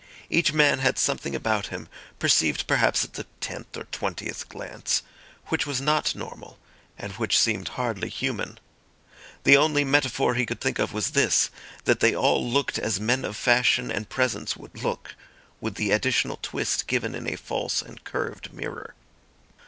Each man had something about him, perceived perhaps at the tenth or twentieth glance, which was not normal, and which seemed hardly human. The only metaphor he could think of was this, that they all looked as men of fashion and presence would look, with the additional twist given in a false and curved mirror.